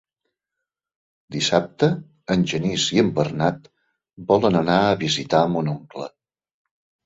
Dissabte en Genís i en Bernat volen anar a visitar mon oncle.